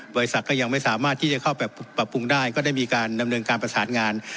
บริษัทก็ยังไม่สามารถที่จะเข้าไปปรับปรุงได้ก็ได้มีการดำเนินการประสานงาน